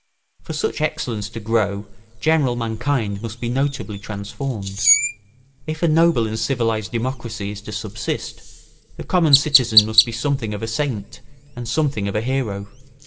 For such excellence to grow general mankind must be notably transformed. If a noble and civilised democracy is to subsist, the common citizen must be something of a saint and something of a hero.